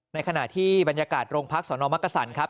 ในขณะที่บรรยากาศโรงพักสนมักกษันครับ